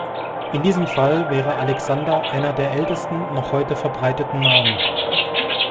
In diesem Fall wäre Alexander einer der ältesten, noch heute verbreiteten Namen.